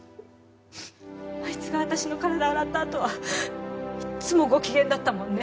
あいつが私の体を洗ったあとはいっつもご機嫌だったものね。